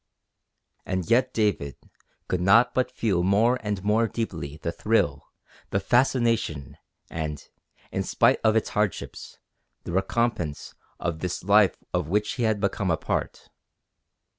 And yet David could not but feel more and more deeply the thrill, the fascination, and, in spite of its hardships, the recompense of this life of which he had become a part.